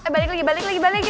balik lagi balik lagi balik